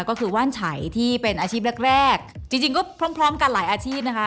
ก็คือว่านไฉที่เป็นอาชีพแรกแรกจริงจริงก็พร้อมพร้อมกันหลายอาชีพนะคะ